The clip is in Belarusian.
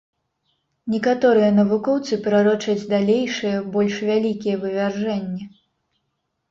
Некаторыя навукоўцы прарочаць далейшыя, больш вялікія вывяржэнні.